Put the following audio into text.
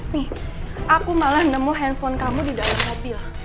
nih aku malah nemu handphone kamu di dalam mobil